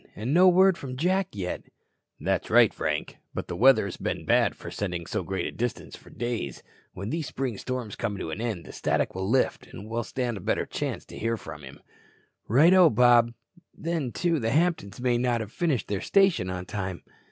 And no word from Jack yet." "That's right, Frank. But the weather has been bad for sending so great a distance for days. When these spring storms come to an end the static will lift and well stand a better chance to hear from him." "Righto, Bob. Then, too, the Hamptons may not have finished their station on time."